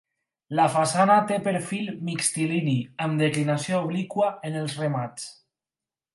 La façana té perfil mixtilini amb declinació obliqua en els remats.